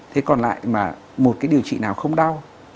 thế còn lại mà một cái điều trị nào không đau